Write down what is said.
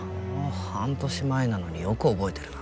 半年前なのによく覚えてるな。